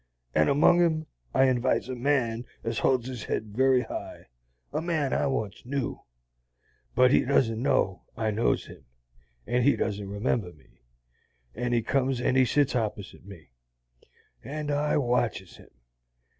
And among 'em I invites a Man as holds his head very high, a Man I once knew; but he doesn't know I knows him, and he doesn't remember me. And he comes and he sits opposite me, and I watches him.